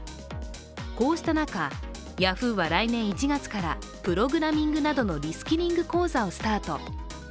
こうした中、ヤフーは来年１月からプログラミングなどのリスキリング講座をスタート。